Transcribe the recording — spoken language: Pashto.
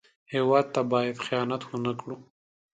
هېواد ته باید خیانت ونه کړو